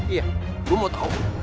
iya gue mau tau